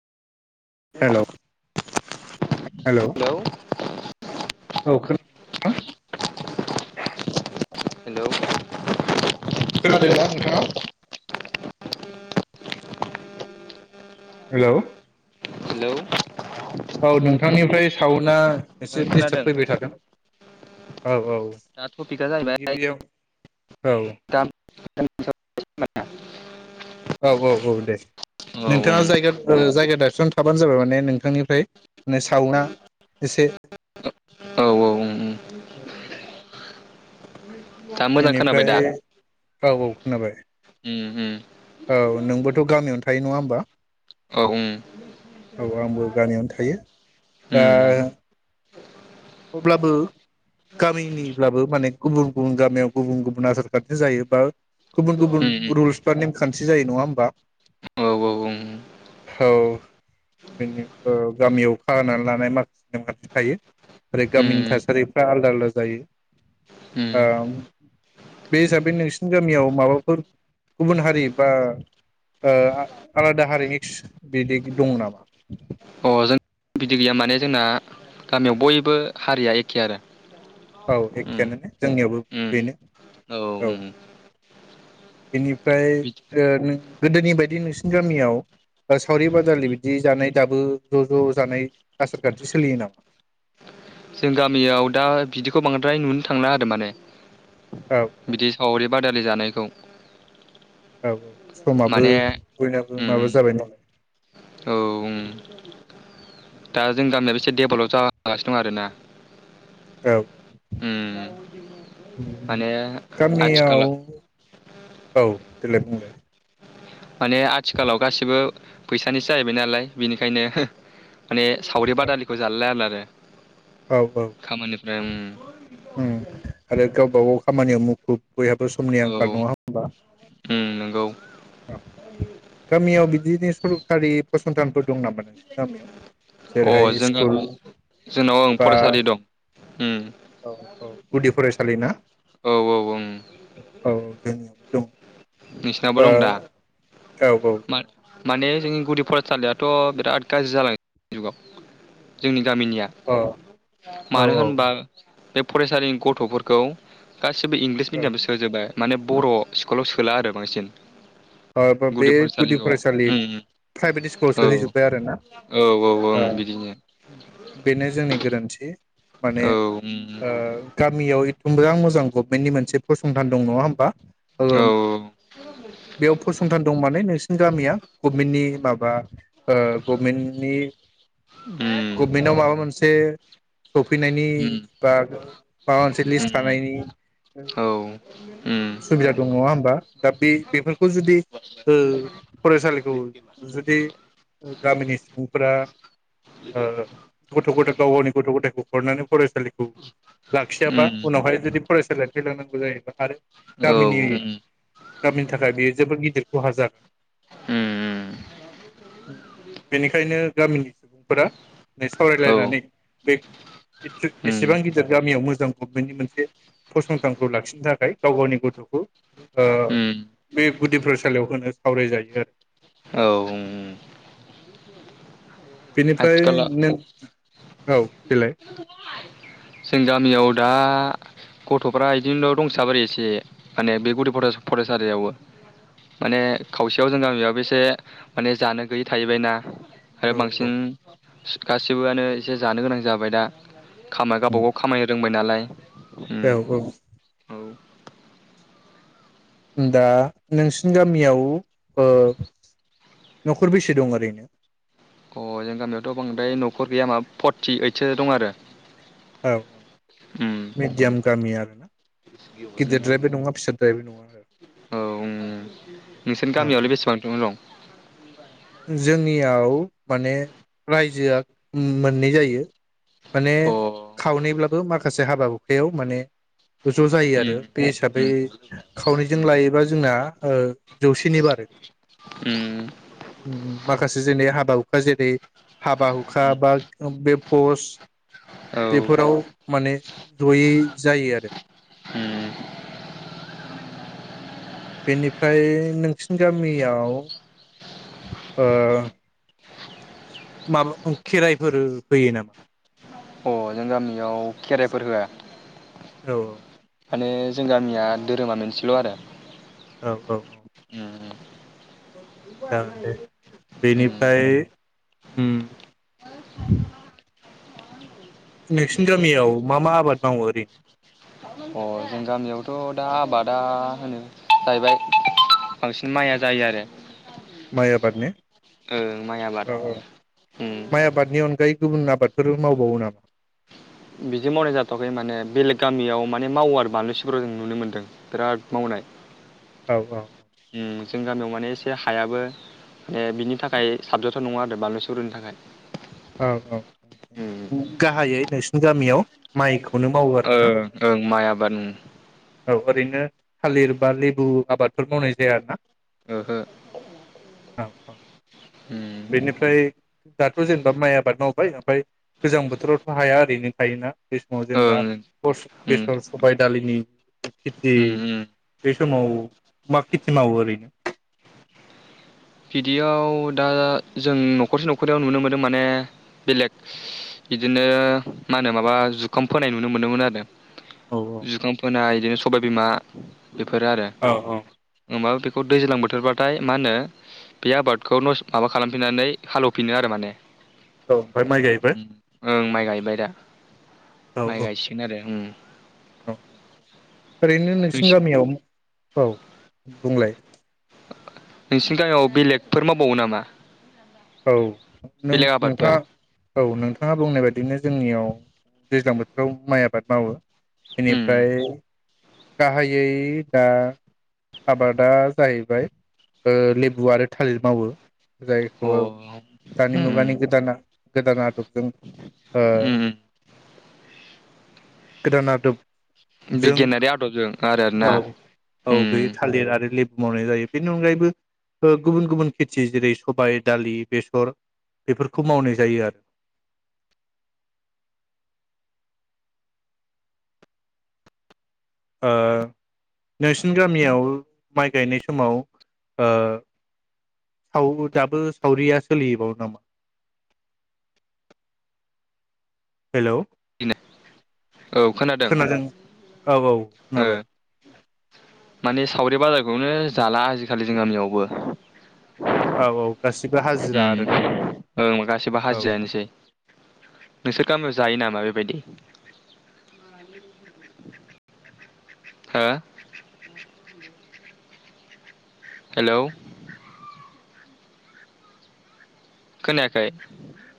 हेल‌' hello hello औ [unintelligible] हेल' खोनोमादोंना नोंथाङा हेल' हेल' औ नोंथांनिफ्राय साउना एसे ओं डिस्टार्ब खोनादों फैबाय थादों। औ औ दा टपिकआ जाहैबाय गिबियाव औ [inaudible] औ औ औ दे औ ओं नोंथाङा जायगा ओ जायगा दाबसेआवनो थाबानो जाबाय माने नोंथांनिफ्राय मे सावन्दआ इसे औ ओं ओं ओ उम दा मोजां खोनाबाय बेनिफ्राय दा औ औ खोनाबाय। उम उम औ नोंबोथ' गामियावनो थायो नङा होमबा? औ उम औ आंबो गामियावनो थायो दा उम अब्लाबो गामिनिब्लाबो माने गुबुन गुबुन गामियाव गुबुन गुबुन आसारखान्थि जायो बा गुबुन गुबुन उम रुल्सफोरनि सो जायो नङा होमबा औ उम औ बेनो ओ गामियाव [unintelligible] लानाय नेमखान्थि थायो आरो गामिनि उम थासारिफ्रा आलदा आलदा जायो उम ओ बे हिसाबै नोंसिनि गामियाव माबाफोर गुबुन हारि बा ओ आलादा हारि मिक्स बिदि दं नामा? अ जों बिदि गैया माने जोंना गामियाव बयबो हारिया एखे आरो। औ उम एखेयानो ने जोंनियावबो उम बेनो औ। बेनिफ्राय बिदि ओ नों गोदोनि बायदि नोंसिनि गामियाव सावरि बादालि बिदि जानाय दाबो ज' ज' जानाय आसारखान्थि सोलियो नामा? जों गामियाव दा बिदिखौ बांद्राय नुनो थांला आरो माने। औ बिदि सावरि बादा लि जानायखौ औ औ समाबो माने बयनाबो उम माबा जाबाय औ उम नालाय। दा जों गामियाबो एसे डेभेलप जागा सिनो दं आरो ना औ उम माने गामियाव आथिखालाव औ देलाय बुंलाय। माने आथिखालाव गासिबो फैसानिसो जाहैबाय नालाय बेनिखायनो माने सावरि बादालिखौ जालायलाला आरो औ औ खामानिफ्राय उम उम आरो गावबा गाव खामानियाव मुखुब। बयहाबो समनि औ आंखाल नङा होमबा उम नंगौ औ गामियाव बिदिनो सरखारि फस फसंथानफोर दं नामा नोंसिनि गामियाव जेरैहाय स्कुल दङ ओं बा फरायसालि दं उम। औ औ गुदि फरायसालि ना? औ औ ओं [unintelligible] नोंसिनावबो दं दा मा माने जोंनि गुदि फरायसालियाथ' बिराद गाज्रि जालां [unintelligible] जुगाव जोंनि गामिनिया ओ औ दङ अ औ मानो औ होनबा बे फरायसालिनि गथ'फोरखौ गासिबो इंलिस मिडियामाव सोजोबबाय। माने बर' स्कुलाव सो सोला आरो बांसिन ओ बो बे गुदि फरायसालिखौ फरायसालि उम प्राइभेट स्कुलाव औ सोहैजोब्बाय आरोना औ औ ओं ओ बिदिनो बेनो जोंनि गोरोन्थि। माने औ उम ओ गामियाव एकदम बेराथ मोजां गभनमेन्टनि मोनसेसंथान दं नंङा होनोमबा? औ ओम फसंथान दं माने नोंसिनि गामिया गभमेन्टनि माबा ओ गभमेन्टनि उम गभमेन्टाव माबा मोनसे सफैनायनि उम बा माबा मोनसे लिस्ट उम थानायनि औ उम उम औ उम सुबिदा दं नंङा होमबा? दा बे बेफोर खौ जुदि ओ फरायसालिखौ जुदि गामिनि सुबुंफोरा ओ गथ' गथाय गाव गावनि गथ'गथायखौ हरनानै फरायसालिखौ लाखियाबा उम उनावहाय जुदि फरायसालिया थैलांनांगौ जायोबब्ला आरो औ गामिनि गामिनि थाखाय बेयो गिदिर खहा जागोन। उम बेनिखायनो गामिनि फोरा नै सावरायलायनानै बे [unintelligible] उम एसेबां गिदिर गामियाव मोजां गभमेन्टनि मोनसे फसंथानखौ लाखिनो थाखाय गाव गावनि गथ'खौ ओ बे गुदि फरायसालियाव होनो सावरायजायो आरो। औ उम उम [inaudible] बेनिफ्राय आथिखालाव नों औ देलाय जों गामियाव दा गथ'फ्रा बिदिनो दंसाबोरो एसे माने बे गुदि फरायसा फरायसालियावबो माने खावसेयाव जों गामियावाबो एसे माने जानो गैयै थाहैबायना आरो औ बांसिन सि गासिबो आनो एसे जानो गोनां जाबाय दा खा बबाव खामायनो रोंबाय नालाय उम औ औ दा नोंसिनि गामियाव ओ नखर बेसे दं ओरैनो? अ जों गामियावथ बांद्राय नखर गैया माबा फरथि ओइदसो दं आरो। औ औ उम मिडियाम गामि आरोना उम गिदिरद्रायबो नङा फिसद्रायबो नङा आरो। औ उम [inaudible] नोंसोरनि गामियालाय औ बेसेबांसिम दं। [inaudible] जोंनियाव। माने रायजोआ। मो मोननै जायो। माने उम खावनैब्लाबो माखासे। हाबा हुखायाव माने। ज जायो आरो बे हिसाबै खावनैजों लायोबा जोंना। ओ जौसेनि बारो। उम उम उम माखासे जेनै हाबा हुखा जेरै। हाबा हुखा बा बे। फस। औ बेफोराव माने। जयै जायो आरो। उम बेनिफ्राय नोंसिनि गामियाव। ओ। माबा खेराइफोर होयो नामा। अ जों गामियाव खेराइफोर होआ। औ औ। माने जों गामिया धोरोमा मोनसेल आरो। औ औ औ। उम जागोन दे उम बेनिफ्राय उम। नोंसिनि गामियाव मा मा आबाद मावो ओरैनो। अ जों गामियावथ दा आबादा होनो जाहैबाय बांसिन माइया जायो आरो। माइ आबादने ओं माइ आबाद औ औ माइ उम आबादनि अनगायै। गुबुन आबादफोर मावबावो नामा? बिदि मावनाय जाथवाखै माने बेलेग गामियाव माने मावो आरो बानलु सिब्र जों नुनो मोन्दों बिराद मावनाय। औ औ औ। जोंनि गामियाव माने एसे हायाबो ओ‌ माने बिनि थाखाय साबजाथाव नङा आरो बानलु सिब्रनि थाखाय। औ औ उम गाहायै नोंसिनि गामियाव माइ ओं ओं माइ आबाद उम औ ओरैनो थालिर बा लेबु आबादफोर मावनाय जाया आरोना ओहो औ उम औ बेनिफ्राय दाथ जेनेबा माइ आबाद मावबाय ओमफ्राय गोजां बोथोरावथ हाया ओरैनो थायोना बे समाव जेनेबा ओं उम बेसर सबाय दालिनि खेथि उम उम बे समाव मा खेथि मावो ओरैनो बिदियाव दा जों नखरसे नखरनैयाव नुनो मोनो माने बेलेग बिदिनो मा होनो माबा जुखाम फोनाय नुनो मोनोमोन आरो औ जुखाम फोनाय इदि सबाय बिमा बेफोरो आरो औ ओमबाबो खौ दैज्लां बोथोरबाथाय मा होनो। बे आबादखौ नस‌ माबा खालामफिननानै हालेवफिनो आरो माने। औ ओमफाय माइ गायबाय। बाय दा! औ माइ गायसिगोन आरो उम। औ औ ओरैनो नोंसिनि नोंसि गामियाव औ बुंलाय। नोंसिनि गामियाव बेलेगफोर मावबावो नामा। औ नों बेलेग आबादफोर नोंथाङा औ नोंथाङा बुंनाय बायदिनो। जोंनियाव दैज्लां बोथोराव माइ आबाद मावो उम बेनिफ्राय गाहायै दा आबादा जाहैबाय ओ लेबु आरो थालिर मावो अ जायखौ दानि उम मुगानि गोदाना गोदाना आदबजों ओ। उम गोदान‌ आदोब। बिगियानारि आ बुजों आरो ना औ औ होम। बे थालिर आरो लेबु मावनाय जायो बेनि अनगायैबो ओ गुबुन गुबुन खेथि जेरै सबाय दालि बेसर बेफोरखौ मावनाय जायो आरो। ओ नोंसिनि गामियाव माइ गायनाय समाव ओ साव दाबो सावरिया सोलिबावो नामा? हेलौ खोनादों औ औ ओ खोनाबाय। बे बाजारखौनो जाला आजिखालि जों गामियावबो। औ औ। गासिबो हाजिरा आरोना उम ओं गासिबो औ हाजिरायानोसै। नोंसोर गामियाव जायो नामा बेबायदि। हो। हेलौ खोनायाखै।